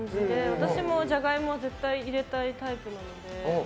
私もジャガイモは絶対に入れたいタイプなので。